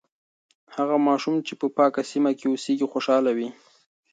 هغه ماشوم چې په پاکه سیمه کې اوسیږي، خوشاله وي.